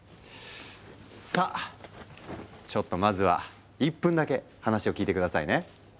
さあちょっとまずは１分だけ話を聞いて下さいね！